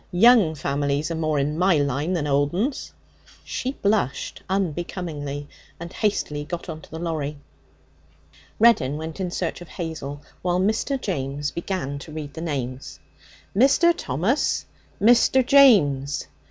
'Young families are more in my line than old 'uns.' She blushed unbecomingly, and hastily got on to the lorry. Reddin went in search of Hazel, while Mr. James began to read the names. 'Mr. Thomas. Mr. James. Mrs.